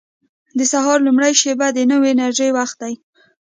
• د سهار لومړۍ شېبه د نوې انرژۍ وخت دی.